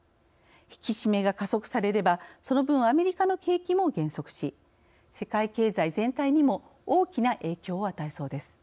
引き締めが加速されればその分アメリカの景気も減速し世界経済全体にも大きな影響を与えそうです。